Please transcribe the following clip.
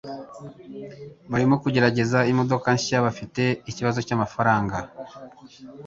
Barimo kugerageza imodoka nshya. Bafite ikibazo cyamafaranga.